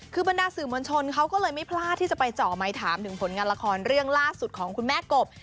คือบรรดาสื่อมวลชนเขาก็เลยไม่พลาดที่จะไปเจาะไมค์ถามถึงผลงานละครเรื่องล่าสุดของคุณแม่กบ